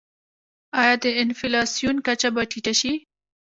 آیا د انفلاسیون کچه به ټیټه شي؟